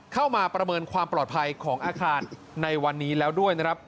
ประเมินความปลอดภัยของอาคารในวันนี้แล้วด้วยนะครับ